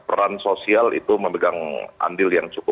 peran sosial itu memegang andil yang cukup